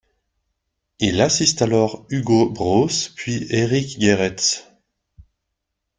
Il assiste alors Hugo Broos, puis Éric Gerets.